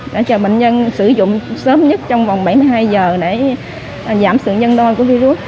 để chờ bệnh nhân sử dụng sớm nhất trong vòng bảy mươi hai giờ để giảm sự nhân đôi của virus